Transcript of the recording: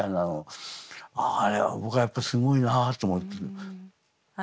あれは僕はやっぱすごいなと思ってる。